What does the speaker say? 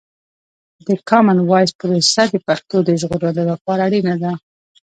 د کامن وایس پروسه د پښتو د ژغورلو لپاره اړینه ده.